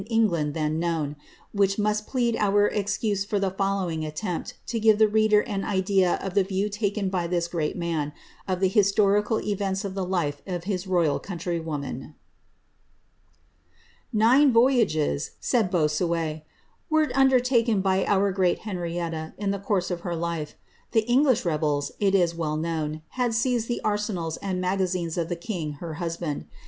England than known, which must plead our excuse for the following attempt to give tlie reader an idea of the view taken by this great man, of the historical events of the life of his royal countrywoman. Nine voyages, said Br>»siiot, *' were undortakeii by our great Henrietta in the course of bcr life. The English reboU, it is well known, had seized the arsenals and magazines of the kin;;, her huslmnd.